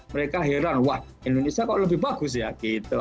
mereka heran wah indonesia kok lebih bagus ya gitu